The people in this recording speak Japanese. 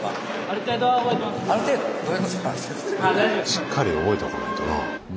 しっかり覚えとかないとなぁ。